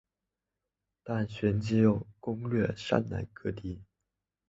但旋即又攻掠山南各地。